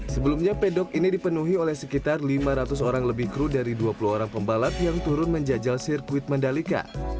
sebelumnya pedok ini dipenuhi oleh sekitar lima ratus orang lebih kru dari dua puluh orang pembalap yang turun menjajal sirkuit mandalika